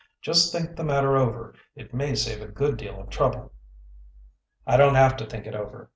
"Just think the matter over. It may save a good deal of trouble." "I don't have to think it over!"